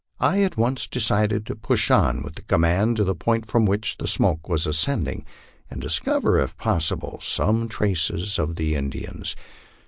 I at once decided to push on with the command to the point from which the smoke was ascending, and discover if possible some trace of the Indians.